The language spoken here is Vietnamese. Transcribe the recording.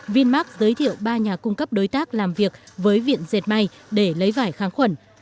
vinmark giới thiệu ba nhà cung cấp đối tác làm việc với viện dệt mây để lấy vải kháng khuẩn